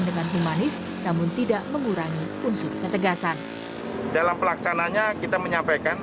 dengan humanis namun tidak mengurangi unsur ketegasan dalam pelaksananya kita menyampaikan